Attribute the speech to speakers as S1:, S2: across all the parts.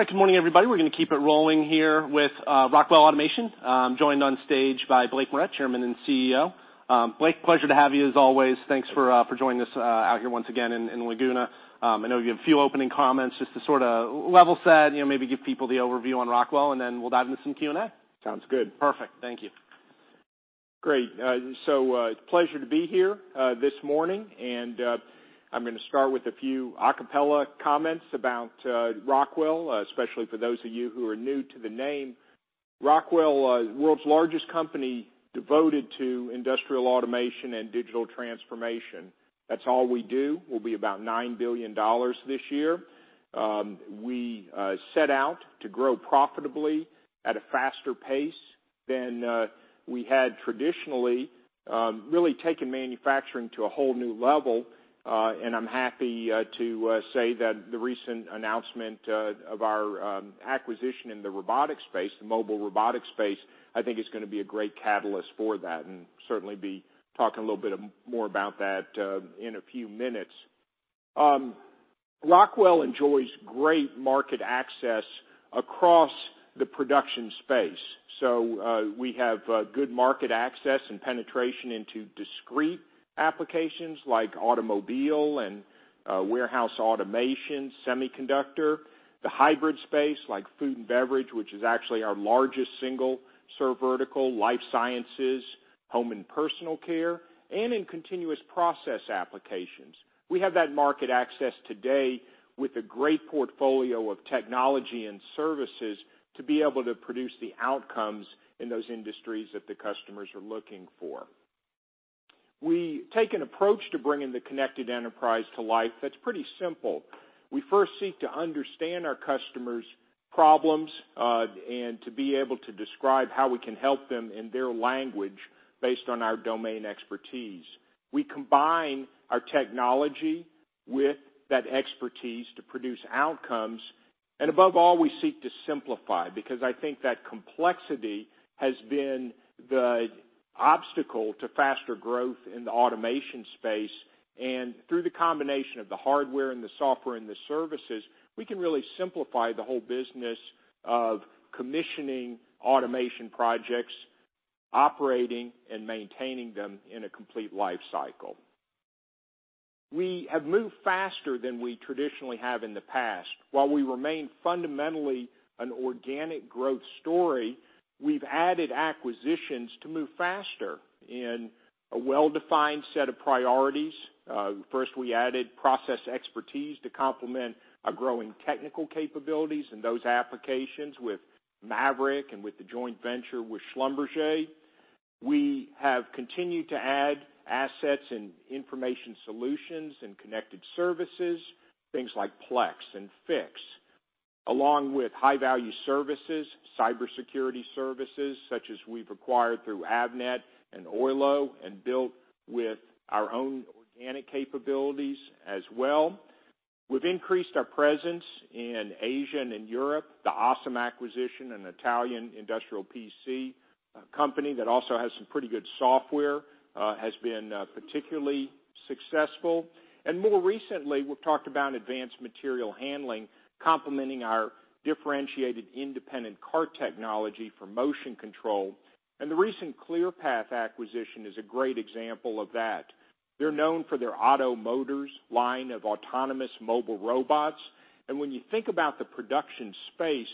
S1: All right, good morning, everybody. We're going to keep it rolling here with Rockwell Automation. I'm joined on stage by Blake Moret, Chairman and CEO. Blake, pleasure to have you, as always. Thanks for for joining us out here once again in Laguna. I know you have a few opening comments just to sort of level set, you know, maybe give people the overview on Rockwell, and then we'll dive into some Q&A.
S2: Sounds good.
S1: Perfect. Thank you.
S2: Great. So, it's a pleasure to be here this morning, and I'm going to start with a few ad-lib comments about Rockwell, especially for those of you who are new to the name. Rockwell, the world's largest company devoted to industrial automation and digital transformation. That's all we do. We'll be about $9 billion in revenue this year. We set out to grow profitably at a faster pace than we had traditionally, really taking manufacturing to a whole new level, and I'm happy to say that the recent announcement of our acquisition in the robotic space, the mobile robotic space, I think is going to be a great catalyst for that, and certainly be talking a little bit more about that in a few minutes. Rockwell enjoys great market access across the production space. So, we have good market access and penetration into discrete applications like automobile and warehouse automation, semiconductor, the hybrid space, like food and beverage, which is actually our largest single served vertical, life sciences, home and personal care, and in continuous process applications. We have that market access today with a great portfolio of technology and services to be able to produce the outcomes in those industries that the customers are looking for. We take an approach to bringing the Connected Enterprise to life that's pretty simple. We first seek to understand our customers' problems and to be able to describe how we can help them in their language based on our domain expertise. We combine our technology with that expertise to produce outcomes, and above all, we seek to simplify, because I think that complexity has been the obstacle to faster growth in the automation space, and through the combination of the hardware and the software and the services, we can really simplify the whole business of commissioning automation projects, operating and maintaining them in a complete life cycle. We have moved faster than we traditionally have in the past. While we remain fundamentally an organic growth story, we've added acquisitions to move faster in a well-defined set of priorities. First, we added process expertise to complement our growing technical capabilities in those applications with Maverick and with the joint venture with Schlumberger. We have continued to add assets and information solutions and connected services, things like Plex and Fiix, along with high-value services, cybersecurity services, such as we've acquired through Avnet and Oylo, and built with our own organic capabilities as well. We've increased our presence in Asia and in Europe, the ASEM acquisition, an Italian industrial PC, a company that also has some pretty good software, has been particularly successful. More recently, we've talked about advanced material handling, complementing our differentiated Independent Cart Technology for motion control. The recent Clearpath acquisition is a great example of that. They're known for their OTTO Motors line of autonomous mobile robots. When you think about the production space,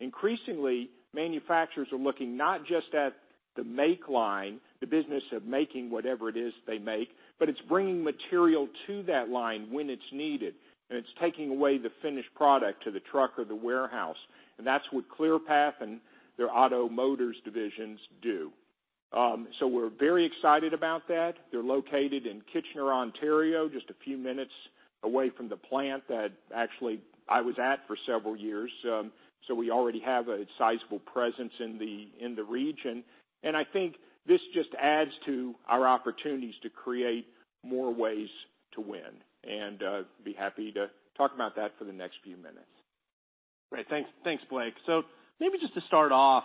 S2: increasingly manufacturers are looking not just at the make line, the business of making whatever it is they make, but it's bringing material to that line when it's needed, and it's taking away the finished product to the truck or the warehouse. That's what Clearpath and their OTTO Motors divisions do. So we're very excited about that. They're located in Kitchener, Ontario, just a few minutes away from the plant that actually I was at for several years. So we already have a sizable presence in the region, and I think this just adds to our opportunities to create more ways to win, and be happy to talk about that for the next few minutes.
S1: Great. Thanks, thanks, Blake. So maybe just to start off,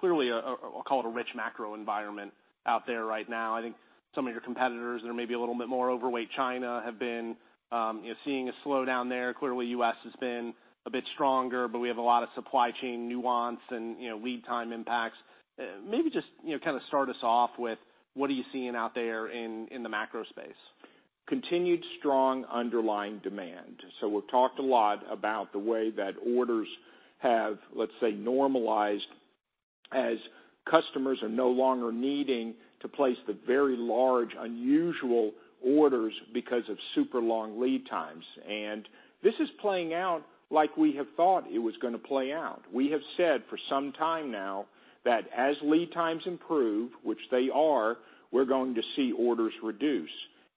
S1: clearly, I'll call it a rich macro environment out there right now. I think some of your competitors are maybe a little bit more overweight. China have been seeing a slowdown there. Clearly, U.S. has been a bit stronger, but we have a lot of supply chain nuance and, lead time impacts. Maybe just, kind of start us off with what are you seeing out there in the macro space?
S2: Continued strong underlying demand. So we've talked a lot about the way that orders have, let's say, normalized as customers are no longer needing to place the very large, unusual orders because of super long lead times. And this is playing out like we have thought it was going to play out. We have said for some time now that as lead times improve, which they are, we're going to see orders reduce.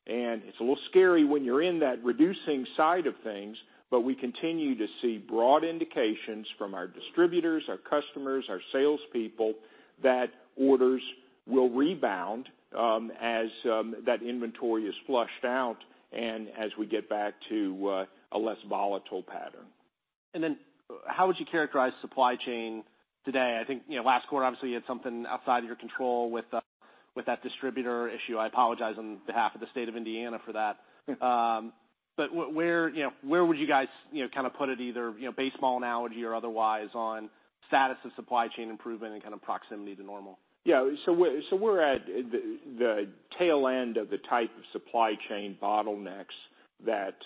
S2: And it's a little scary when you're in that reducing side of things, but we continue to see broad indications from our distributors, our customers, our salespeople, that orders will rebound, that inventory is flushed out and as we get back to a less volatile pattern.
S1: And then, how would you characterize supply chain today? I think, you know, last quarter, obviously, you had something outside of your control with... with that distributor issue. I apologize on behalf of the state of Indiana for that. But where, you know, where would you guys, kind of put it, either, baseball analogy or otherwise, on status of supply chain improvement and kind of proximity to normal?
S2: Yeah. So we're at the tail end of the type of supply chain bottlenecks that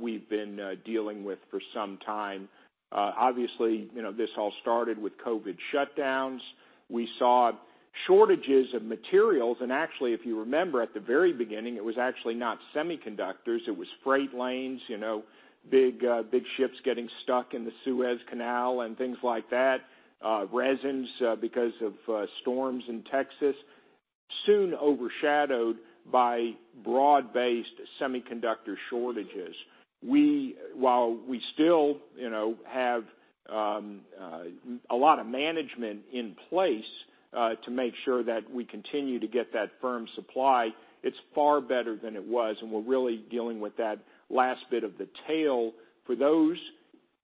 S2: we've been dealing with for some time. Obviously, you know, this all started with COVID shutdowns. We saw shortages of materials, and actually, if you remember, at the very beginning, it was actually not semiconductors, it was freight lanes, you know, big ships getting stuck in the Suez Canal and things like that, resins because of storms in Texas, soon overshadowed by broad-based semiconductor shortages. While we still, you know, have a lot of management in place to make sure that we continue to get that firm supply, it's far better than it was, and we're really dealing with that last bit of the tail. For those,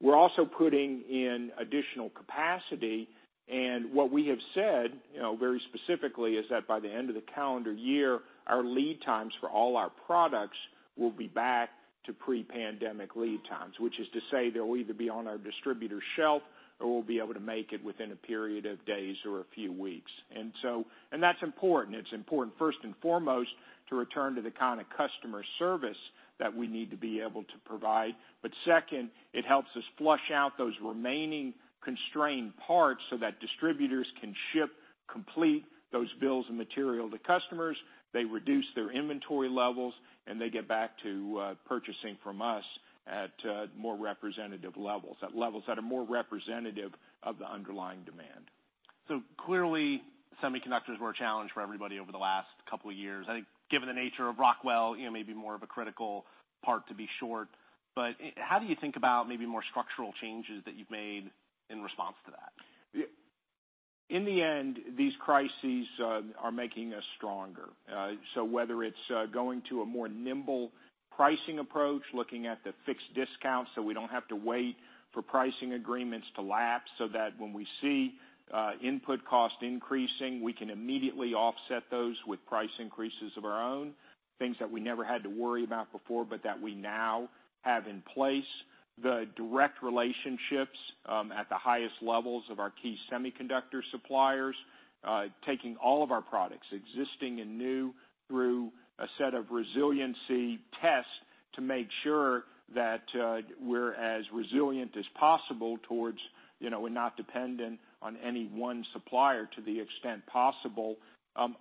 S2: we're also putting in additional capacity, and what we have said, you know, very specifically, is that by the end of the calendar year, our lead times for all our products will be back to pre-pandemic lead times, which is to say they'll either be on our distributor shelf or we'll be able to make it within a period of days or a few weeks. And so... and that's important. It's important, first and foremost, to return to the kind of customer service that we need to be able to provide. But second, it helps us flush out those remaining constrained parts so that distributors can ship complete those bills of material to customers, they reduce their inventory levels, and they get back to purchasing from us at more representative levels, at levels that are more representative of the underlying demand.
S1: So clearly, semiconductors were a challenge for everybody over the last couple of years. I think, given the nature of Rockwell, you know, maybe more of a critical part to be short, but how do you think about maybe more structural changes that you've made in response to that?
S2: In the end, these crises are making us stronger. So whether it's going to a more nimble pricing approach, looking at the fixed discount, so we don't have to wait for pricing agreements to lapse, so that when we see input cost increasing, we can immediately offset those with price increases of our own, things that we never had to worry about before, but that we now have in place. The direct relationships at the highest levels of our key semiconductor suppliers, taking all of our products, existing and new, through a set of resiliency tests to make sure that we're as resilient as possible towards, you know, we're not dependent on any one supplier to the extent possible.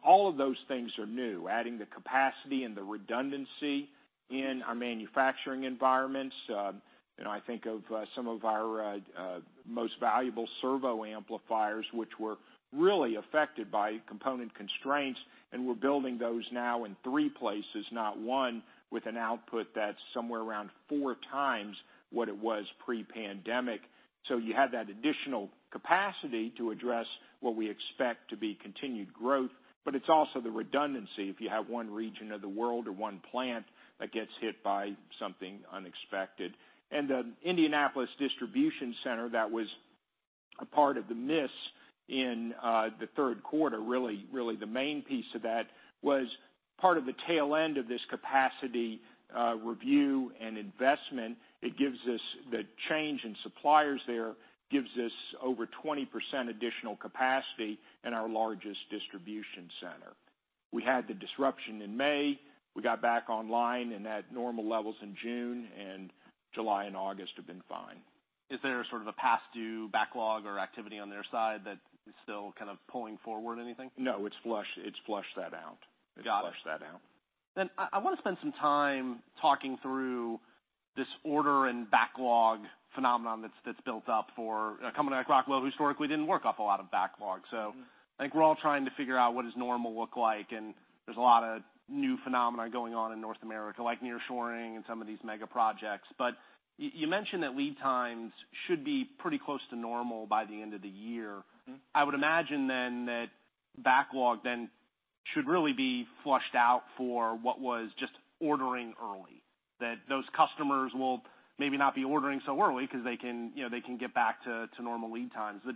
S2: All of those things are new. Adding the capacity and the redundancy in our manufacturing environments. You know, I think of some of our most valuable servo amplifiers, which were really affected by component constraints, and we're building those now in three places, not one, with an output that's somewhere around four times what it was pre-pandemic. So you have that additional capacity to address what we expect to be continued growth, but it's also the redundancy if you have one region of the world or one plant that gets hit by something unexpected. And the Indianapolis distribution center, that was a part of the miss in the third quarter, really, really the main piece of that, was part of the tail end of this capacity review and investment. It gives us the change in suppliers there gives us over 20% additional capacity in our largest distribution center. We had the disruption in May. We got back online and at normal levels in June, and July and August have been fine.
S1: Is there sort of a past due backlog or activity on their side that is still kind of pulling forward anything?
S2: No, it's flushed. It's flushed that out.
S1: Got it.
S2: It flushed that out.
S1: Then I wanna spend some time talking through this order and backlog phenomenon that's built up for a company like Rockwell, who historically didn't work off a lot of backlog. So-
S2: Mm-hmm.
S1: I think we're all trying to figure out what does normal look like, and there's a lot of new phenomena going on in North America, like nearshoring and some of these mega projects. But you mentioned that lead times should be pretty close to normal by the end of the year.
S2: Mm-hmm.
S1: I would imagine then that backlog then should really be flushed out for what was just ordering early, that those customers will maybe not be ordering so early because they can, you know, they can get back to, to normal lead times. But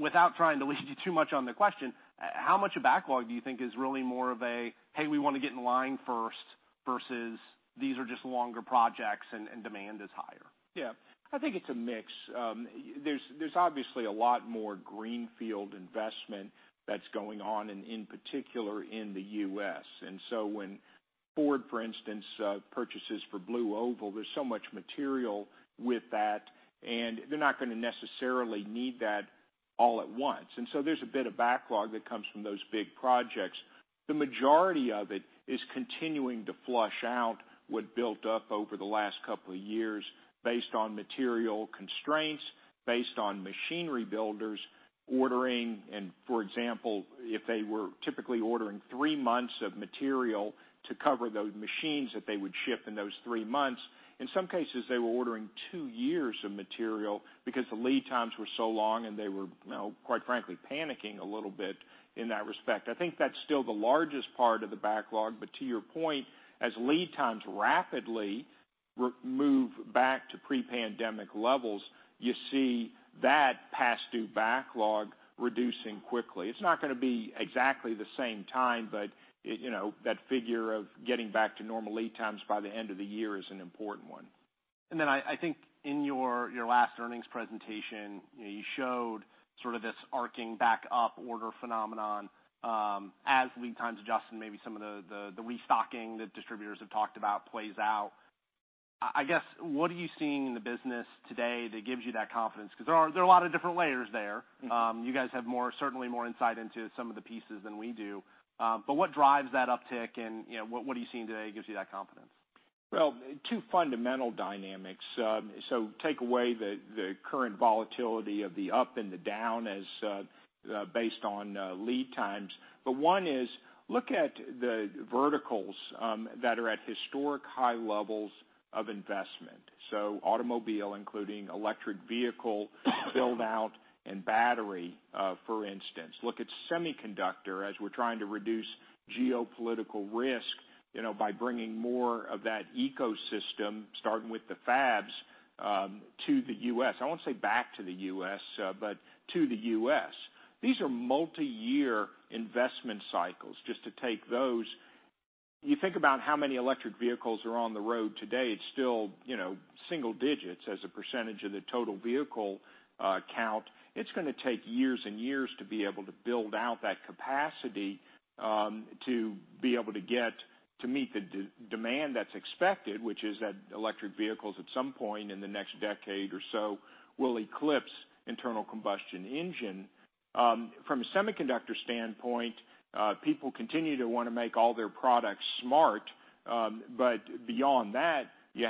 S1: without trying to lead you too much on the question, how much of backlog do you think is really more of a, "Hey, we want to get in line first," versus, "These are just longer projects and, and demand is higher?
S2: Yeah. I think it's a mix. There's obviously a lot more greenfield investment that's going on, and in particular, in the U.S. And so when Ford, for instance, purchases for Blue Oval, there's so much material with that, and they're not gonna necessarily need that all at once. And so there's a bit of backlog that comes from those big projects. The majority of it is continuing to flush out what built up over the last couple of years based on material constraints, based on machinery builders ordering, and for example, if they were typically ordering three months of material to cover those machines that they would ship in those three months, in some cases, they were ordering two years of material because the lead times were so long and they were, quite frankly, panicking a little bit in that respect. I think that's still the largest part of the backlog, but to your point, as lead times rapidly move back to pre-pandemic levels, you see that past due backlog reducing quickly. It's not gonna be exactly the same time, but, you know, that figure of getting back to normal lead times by the end of the year is an important one.
S1: And then I think in your last earnings presentation, you showed sort of this arcing back up order phenomenon, as lead times adjust and maybe some of the restocking that distributors have talked about plays out. I guess, what are you seeing in the business today that gives you that confidence? Because there are a lot of different layers there. You guys have more, certainly more insight into some of the pieces than we do. But what drives that uptick? And, what are you seeing today that gives you that confidence?
S2: Well, two fundamental dynamics. So take away the current volatility of the up and the down as based on lead times. But one is, look at the verticals that are at historic high levels of investment. So automobile, including electric vehicle, build-out, and battery, for instance. Look at semiconductor as we're trying to reduce geopolitical risk, you know, by bringing more of that ecosystem, starting with the fabs, to the U.S. I won't say back to the U.S. These are multiyear investment cycles, just to take those. You think about how many electric vehicles are on the road today, it's still, single digits as a percentage of the total vehicle count. It's gonna take years and years to be able to build out that capacity, to be able to get to meet the demand that's expected, which is that electric vehicles, at some point in the next decade or so, will eclipse internal combustion engine. From a semiconductor standpoint, people continue to wanna make all their products smart. But beyond that, you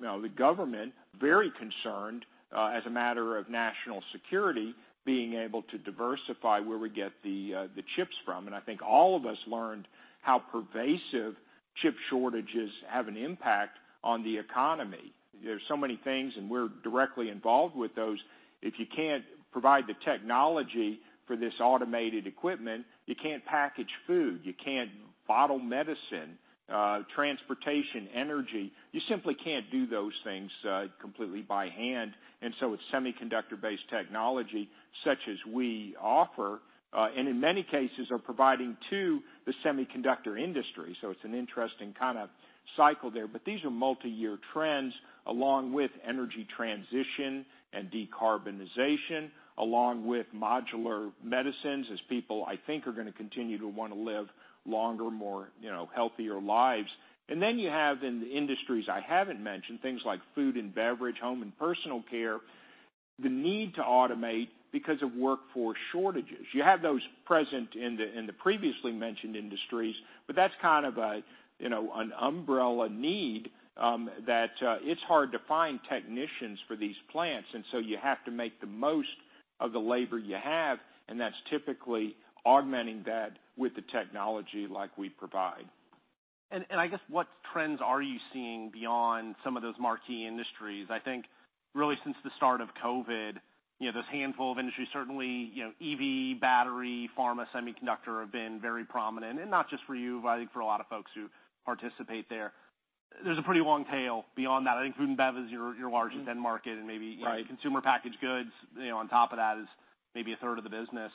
S2: know, the government very concerned, as a matter of national security, being able to diversify where we get the, the chips from. And I think all of us learned how pervasive chip shortages have an impact on the economy. There's so many things, and we're directly involved with those. If you can't provide the technology for this automated equipment, you can't package food, you can't bottle medicine, transportation, energy. You simply can't do those things, completely by hand. And so it's semiconductor-based technology, such as we offer, and in many cases are providing to the semiconductor industry. So it's an interesting kind of cycle there. But these are multiyear trends, along with energy transition and decarbonization, along with modular medicines, as people, I think, are gonna continue to wanna live longer, more, you know, healthier lives. And then you have, in the industries I haven't mentioned, things like food and beverage, home and personal care, the need to automate because of workforce shortages. You have those present in the previously mentioned industries, but that's kind of an umbrella need, that it's hard to find technicians for these plants, and so you have to make the most of the labor you have, and that's typically augmenting that with the technology like we provide.
S1: I guess, what trends are you seeing beyond some of those marquee industries? I think really since the start of COVID, you know, this handful of industries, certainly, EV, battery, pharma, semiconductor, have been very prominent, and not just for you, but I think for a lot of folks who participate there. There's a pretty long tail beyond that. I think food and bev is your largest end market, and maybe-
S2: Right.
S1: consumer packaged goods, you know, on top of that is maybe a third of the business.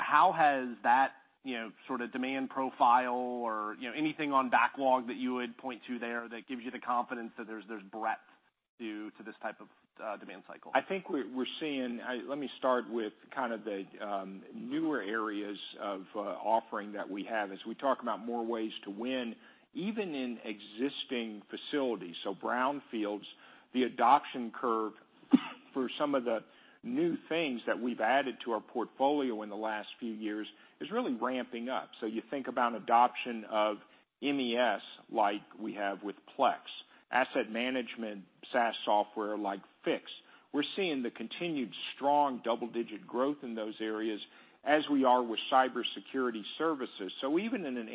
S1: How has that, you know, sort of demand profile or, you know, anything on backlog that you would point to there that gives you the confidence that there's, there's breadth to, to this type of demand cycle?
S2: I think we're seeing... let me start with kind of the newer areas of offering that we have. As we talk about more ways to win, even in existing facilities, so brownfields, the adoption curve for some of the new things that we've added to our portfolio in the last few years is really ramping up. So you think about adoption of MES, like we have with Plex, asset management, SaaS software like Fiix. We're seeing the continued strong double-digit growth in those areas, as we are with cybersecurity services. So even in an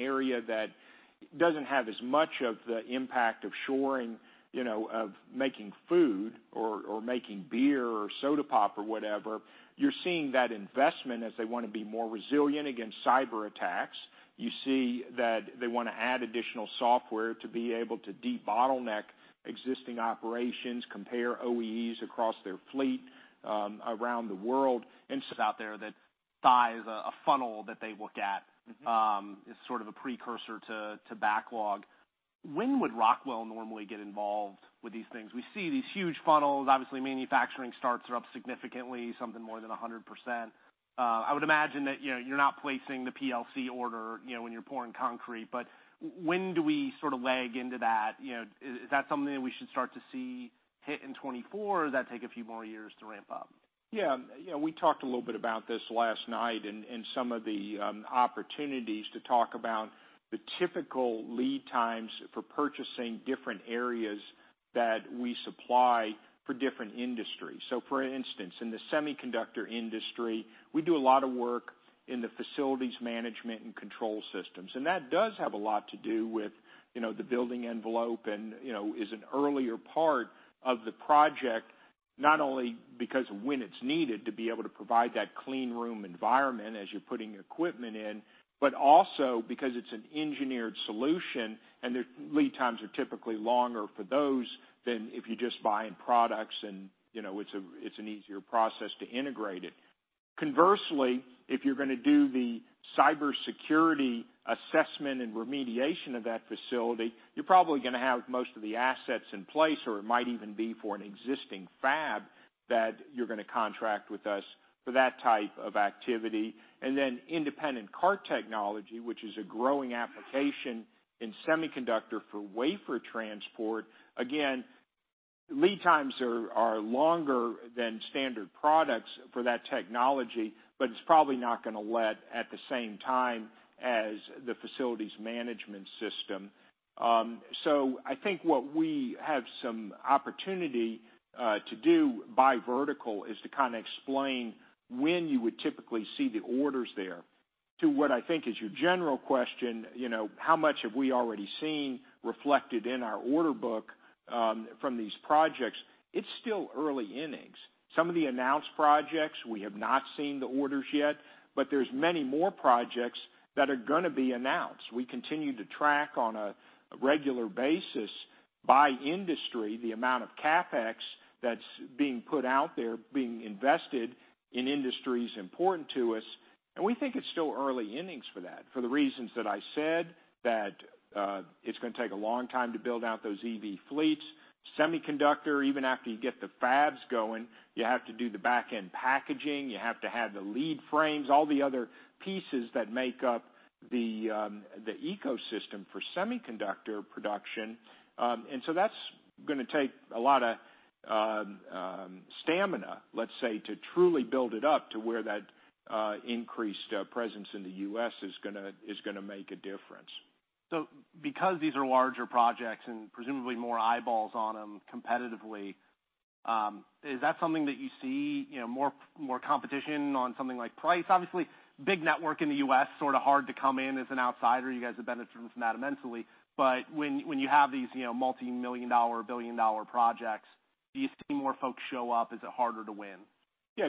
S2: area that doesn't have as much of the impact of shoring, you know, of making food or making beer or soda pop or whatever, you're seeing that investment as they want to be more resilient against cyberattacks. You see that they want to add additional software to be able to debottleneck existing operations, compare OEEs across their fleet, around the world.
S1: Just out there, that size, a funnel that they look at-
S2: Mm-hmm.
S1: is sort of a precursor to backlog. When would Rockwell normally get involved with these things? We see these huge funnels. Obviously, manufacturing starts are up significantly, something more than 100%. I would imagine that, you know, you're not placing the PLC order, you know, when you're pouring concrete, but when do we sort of lag into that? You know, is that something that we should start to see hit in 2024, or does that take a few more years to ramp up?
S2: Yeah. You know, we talked a little bit about this last night and some of the opportunities to talk about the typical lead times for purchasing different areas that we supply for different industries. So for instance, in the semiconductor industry, we do a lot of work in the facilities management and control systems, and that does have a lot to do with, you know, the building envelope and, you know, is an earlier part of the project... not only because of when it's needed to be able to provide that clean room environment as you're putting equipment in, but also because it's an engineered solution, and the lead times are typically longer for those than if you're just buying products, and, you know, it's an easier process to integrate it. Conversely, if you're gonna do the cybersecurity assessment and remediation of that facility, you're probably gonna have most of the assets in place, or it might even be for an existing fab that you're gonna contract with us for that type of activity. And then Independent Cart Technology, which is a growing application in semiconductor for wafer transport, again, lead times are longer than standard products for that technology, but it's probably not gonna let at the same time as the facilities management system. So I think what we have some opportunity to do by vertical is to kinda explain when you would typically see the orders there. To what I think is your general question, you know, how much have we already seen reflected in our order book from these projects? It's still early innings. Some of the announced projects, we have not seen the orders yet, but there's many more projects that are gonna be announced. We continue to track on a regular basis by industry, the amount of CapEx that's being put out there, being invested in industries important to us, and we think it's still early innings for that. For the reasons that I said, that it's gonna take a long time to build out those EV fleets. Semiconductor, even after you get the fabs going, you have to do the back-end packaging, you have to have the lead frames, all the other pieces that make up the ecosystem for semiconductor production. And so that's gonna take a lot of stamina, let's say, to truly build it up to where that increased presence in the U.S. is gonna make a difference.
S1: So because these are larger projects and presumably more eyeballs on them competitively, is that something that you see, you know, more competition on something like price? Obviously, big network in the U.S. sort of hard to come in as an outsider. You guys have benefited from that immensely. But when you have these, you know, multi-million-dollar, billion-dollar projects, do you see more folks show up? Is it harder to win?
S2: Yeah,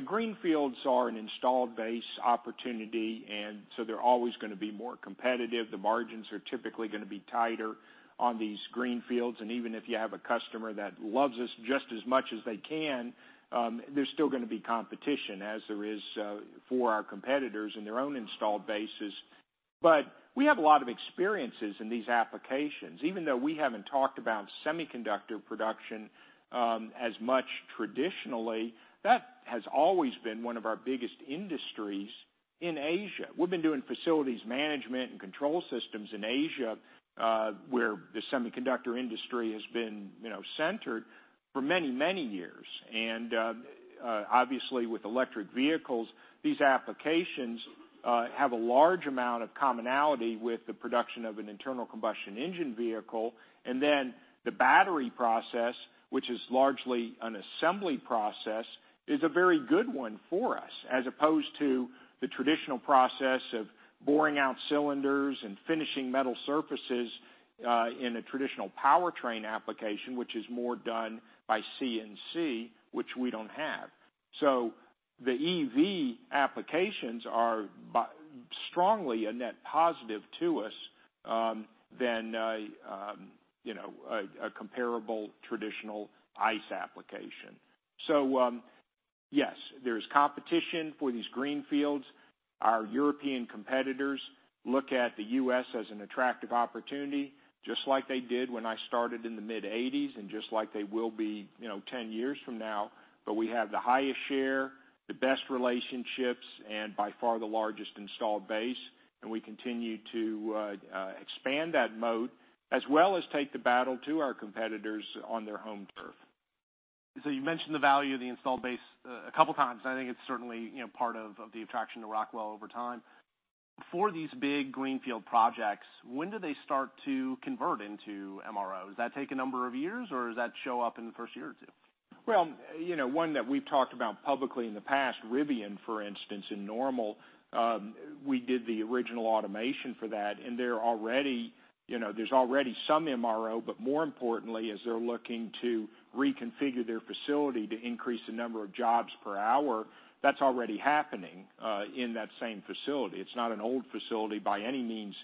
S2: greenfields are an installed base opportunity, and so they're always gonna be more competitive. The margins are typically gonna be tighter on these greenfields, and even if you have a customer that loves us just as much as they can, there's still gonna be competition as there is for our competitors in their own installed bases. But we have a lot of experiences in these applications. Even though we haven't talked about semiconductor production as much traditionally, that has always been one of our biggest industries in Asia. We've been doing facilities management and control systems in Asia where the semiconductor industry has been, you know, centered for many, many years. And obviously, with electric vehicles, these applications have a large amount of commonality with the production of an internal combustion engine vehicle. Then the battery process, which is largely an assembly process, is a very good one for us, as opposed to the traditional process of boring out cylinders and finishing metal surfaces in a traditional powertrain application, which is more done by CNC, which we don't have. So the EV applications are strongly a net positive to us than a you know a comparable traditional ICE application. So yes, there's competition for these greenfields. Our European competitors look at the U.S. as an attractive opportunity, just like they did when I started in the mid-1980s, and just like they will be you know 10 years from now. But we have the highest share, the best relationships, and by far the largest installed base, and we continue to expand that moat, as well as take the battle to our competitors on their home turf.
S1: So you mentioned the value of the installed base, a couple of times. I think it's certainly, you know, part of, of the attraction to Rockwell over time. For these big greenfield projects, when do they start to convert into MRO? Does that take a number of years, or does that show up in the first year or two?
S2: Well, one that w e've talked about publicly in the past, Rivian in Normal, we did the original automation for that, and they're already, there's already some MRO. But more importantly, as they're looking to reconfigure their facility to increase the number of jobs per hour, that's already happening in that same facility. It's not an old facility by any means,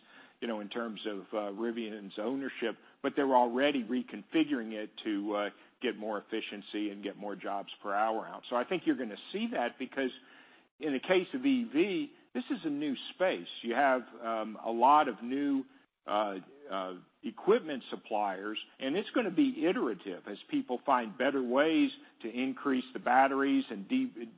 S2: in terms of Rivian's ownership, but they're already reconfiguring it to get more efficiency and get more jobs per hour out. So I think you're gonna see that because in the case of EV, this is a new space. You have a lot of new equipment suppliers, and it's gonna be iterative as people find better ways to increase the batteries and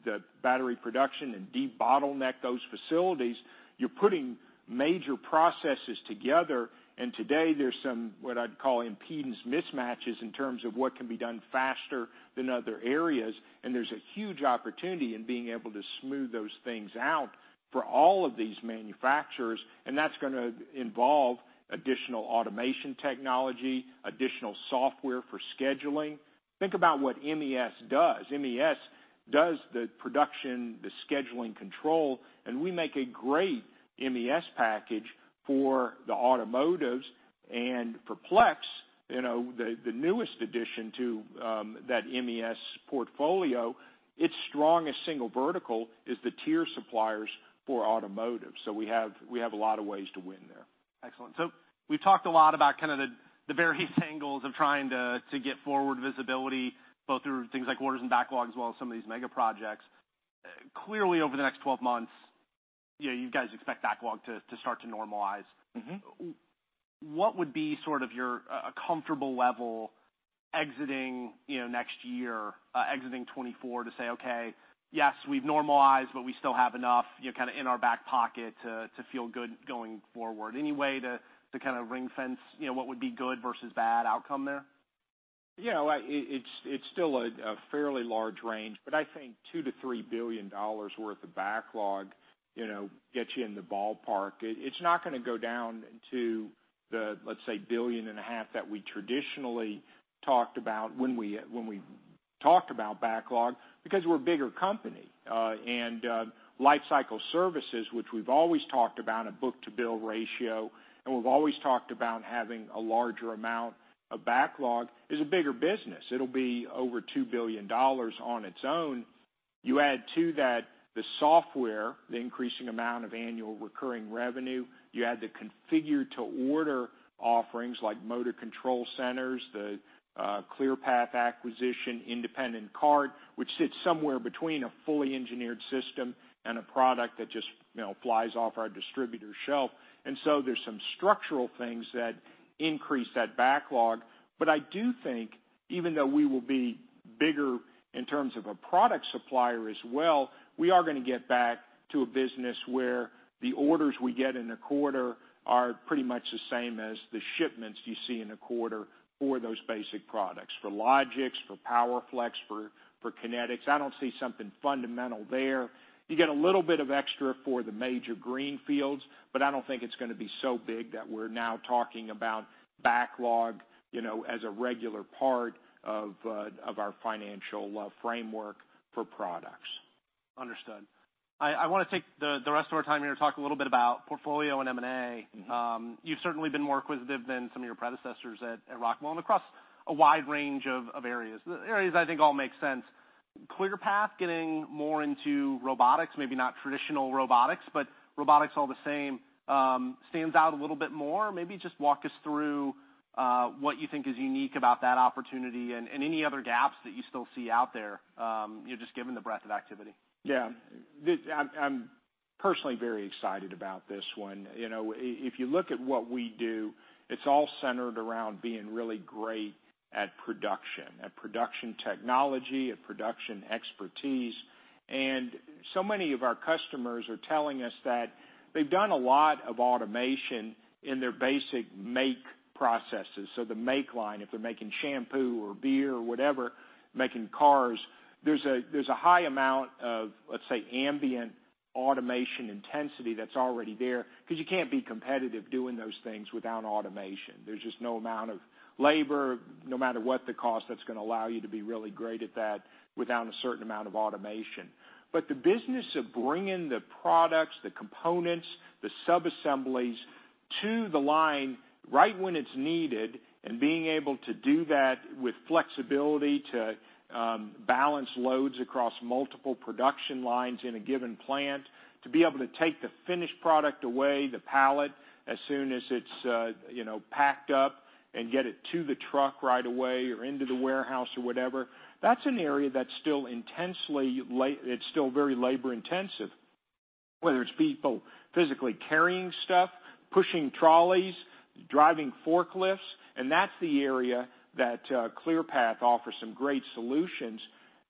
S2: the battery production and debottleneck those facilities. You're putting major processes together, and today there's some, what I'd call impedance mismatches in terms of what can be done faster than other areas. There's a huge opportunity in being able to smooth those things out for all of these manufacturers, and that's gonna involve additional automation technology, additional software for scheduling. Think about what MES does. MES does the production, the scheduling control, and we make a great MES package for the automotives. For Plex the newest addition to that MES Portfolio, its strongest single vertical is the tier suppliers for automotive. So we have a lot of ways to win there.
S1: Excellent. So we've talked a lot about kind of the various angles of trying to get forward visibility, both through things like orders and backlog, as well as some of these mega projects. Clearly, over the next 12 months, yeah, you guys expect backlog to start to normalize.
S2: Mm-hmm.
S1: What would be sort of your a comfortable level exiting next year, exiting 2024 to say, "Okay, yes, we've normalized, but we still have enough, you know, kind of in our back pocket to feel good going forward"? Any way to kind of ring-fence, what would be good versus bad outcome there?
S2: Yeah, well, it's still a fairly large range, but I think $2billion to $3 billion worth of backlog, gets you in the ballpark. It's not gonna go down to the, let's say, $1.5 billion that we traditionally talked about when we talked about backlog because we're a bigger company. And lifecycle services, which we've always talked about, a book-to-bill ratio, and we've always talked about having a larger amount of backlog, is a bigger business. It'll be over $2 billion on its own. You add to that the software, the increasing amount of annual recurring revenue, you add the configure-to-order offerings like motor control centers, the Clearpath acquisition, Independent Cart, which sits somewhere between a fully engineered system and a product that just, flies off our distributor shelf. There's some structural things that increase that backlog. But I do think even though we will be bigger in terms of a product supplier as well, we are gonna get back to a business where the orders we get in a quarter are pretty much the same as the shipments you see in a quarter for those basic products. For Logix, for PowerFlex, for Kinetix, I don't see something fundamental there. You get a little bit of extra for the major greenfields, but I don't think it's gonna be so big that we're now talking about backlog, you know, as a regular part of our financial framework for products.
S1: Understood. I wanna take the rest of our time here to talk a little bit about portfolio and M&A.
S2: Mm-hmm.
S1: You've certainly been more acquisitive than some of your predecessors at Rockwell and across a wide range of areas I think all make sense. Clearpath, getting more into robotics, maybe not traditional robotics, but robotics all the same, stands out a little bit more. Maybe just walk us through what you think is unique about that opportunity and any other gaps that you still see out there, you know, just given the breadth of activity.
S2: Yeah. I'm personally very excited about this one. If you look at what we do, it's all centered around being really great at production, at production technology, at production expertise. And so many of our customers are telling us that they've done a lot of automation in their basic make processes, so the make line, if they're making shampoo or beer or whatever, making cars, there's a high amount of, let's say, ambient automation intensity that's already there, 'cause you can't be competitive doing those things without automation. There's just no amount of labor, no matter what the cost, that's gonna allow you to be really great at that without a certain amount of automation. But the business of bringing the products, the components, the subassemblies to the line right when it's needed, and being able to do that with flexibility to balance loads across multiple production lines in a given plant, to be able to take the finished product away, the pallet, as soon as it's, you know, packed up and get it to the truck right away or into the warehouse or whatever, that's an area that's still intensely. It's still very labor-intensive, whether it's people physically carrying stuff, pushing trolleys, driving forklifts, and that's the area that Clearpath offers some great solutions.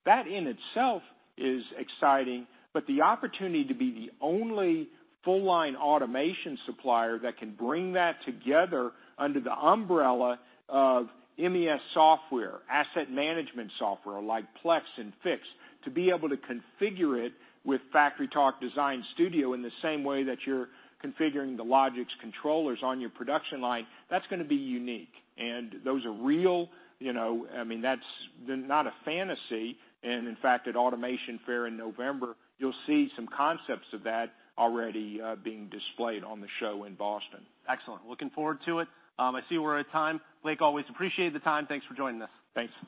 S2: That in itself is exciting, but the opportunity to be the only full-line automation supplier that can bring that together under the umbrella of MES software, asset management software, like Plex and Fiix, to be able to configure it with FactoryTalk Design Studio in the same way that you're configuring the Logix controllers on your production line, that's gonna be unique. And those are real,I mean, that's not a fantasy, and in fact, at Automation Fair in November, you'll see some concepts of that already, being displayed on the show in Boston.
S1: Excellent. Looking forward to it. I see we're out of time. Blake, always appreciate the time. Thanks for joining us.
S2: Thanks, Mike.